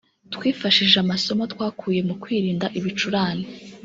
twifashishije amasomo twakuye mu kwirinda ibicurane